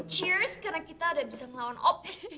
cheers karena kita udah bisa ngelawan op